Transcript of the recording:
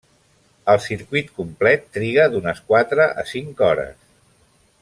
El circuit complet triga d'unes quatre a cinc hores.